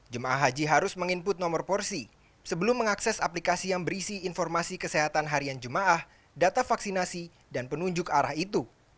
jemaah haji harus meng input nomor porsi sebelum mengakses aplikasi yang berisi informasi kesehatan harian jemaah data vaksinasi dan penunjuk arah itu